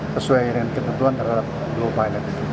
sesuai dengan ketentuan terhadap blue pilot